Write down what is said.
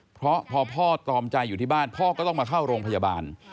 เพราะพอพ่อตรอมใจอยู่ที่บ้านพ่อก็ต้องมาเข้าโรงพยาบาล